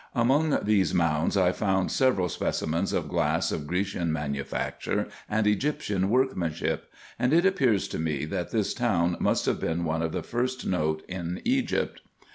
Among these mounds I found several specimens of glass of Grecian manufacture and Egyptian workmanship ; and it appears to me, that this town must have been one of the first note in Egypt.